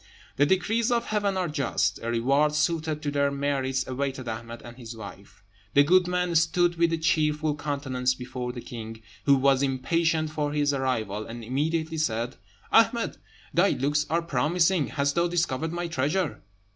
The decrees of Heaven are just: a reward suited to their merits awaited Ahmed and his wife. The good man stood with a cheerful countenance before the king, who was impatient for his arrival, and immediately said, "Ahmed, thy looks are promising; hast thou discovered my treasure?"